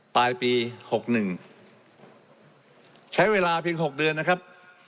ปลายปี๖๑ใช้เวลาเพียง๖เดือนนะครับ